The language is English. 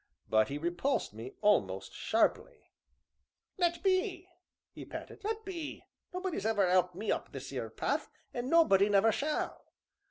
But he repulsed me almost sharply: "Let be," he panted, "let be, nobody's never 'elped me up this 'ere path, an' nobody never shall!"